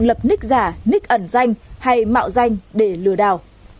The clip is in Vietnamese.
tự lập nick giả nick ẩn danh hay mạo danh để lừa đảo